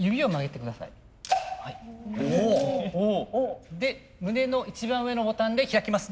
お！で胸の一番上のボタンで開きます。